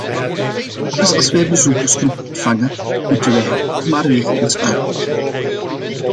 Telkens als wij bezoekersgroepen ontvangen, moeten wij het toch maar weer eens uitleggen.